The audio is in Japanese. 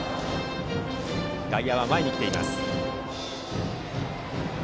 外野は前に来ています。